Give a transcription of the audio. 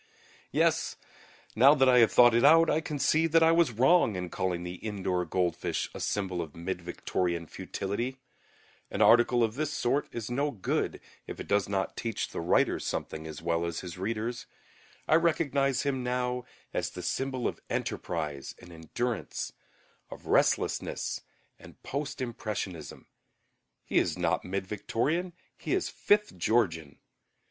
Yes; now that I have thought it out, I can see that I was wrong in calling the indoor goldfish a symbol of mid Victorian futility. An article of this sort is no good if it does not teach the writer something as well as his readers. I recognize him now as the symbol of enterprise and endurance, of restlessness and Post Impressionism. He is not mid Victorian, he is Fifth Georgian.